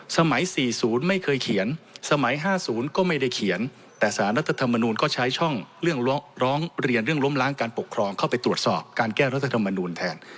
สมัย๔๐ไม่เคยเขียนสมัย๕๐ก็ไม่ได้เขียนแต่สารรัฐธรรมนูลก็ใช้ช่องเรื่องร้องเรียนเรื่องล้มล้างการปกครองเข้าไปตรวจสอบการแก้รัฐธรรมนูลแทน